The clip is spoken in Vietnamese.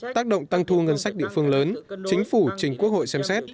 tác động tăng thu ngân sách địa phương lớn chính phủ trình quốc hội xem xét